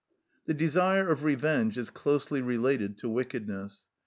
The desire of revenge is closely related to wickedness.